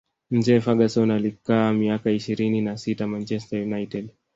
mzee Ferguson alikaa miaka ishirini na sita manchester united